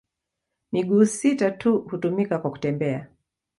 Miguu sita tu hutumika kwa kutembea.